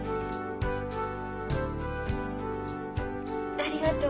ありがとう。